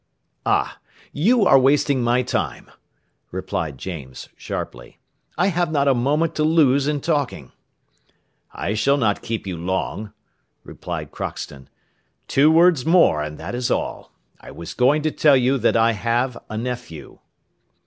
"Ah! You are wasting my time," replied James, sharply; "I have not a moment to lose in talking." "I shall not keep you long," replied Crockston; "two words more and that is all; I was going to tell you that I have a nephew."